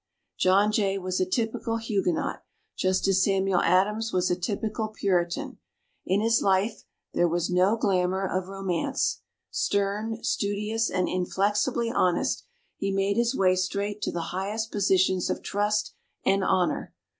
John Jay was a typical Huguenot, just as Samuel Adams was a typical Puritan. In his life there was no glamour of romance. Stern, studious and inflexibly honest, he made his way straight to the highest positions of trust and honor.